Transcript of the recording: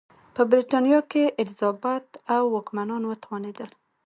په برېټانیا کې الیزابت او واکمنان وتوانېدل.